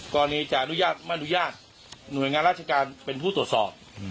อนุญาตไม่อนุญาตหน่วยงานราชการเป็นผู้ตรวจสอบ